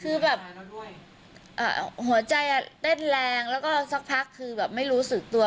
คือแบบหัวใจเต้นแรงแล้วก็สักพักคือแบบไม่รู้สึกตัว